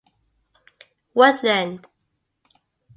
Woodland.